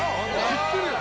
知ってるよ